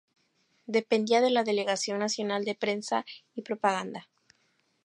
Dependía de la Delegación nacional de Prensa y Propaganda.